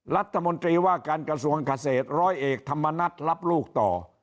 รัฐมนตรีว่าการกระทรวงเกษตรร้อยเอกธรรมนัฐรับลูกต่อ